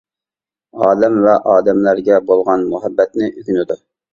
ئالەم ۋە ئادەملەرگە بولغان مۇھەببەتنى ئۆگىنىدۇ.